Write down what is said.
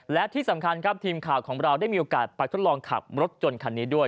และที่สำคัญครับทีมข่าวของเราได้มีโอกาสไปทดลองขับรถยนต์คันนี้ด้วย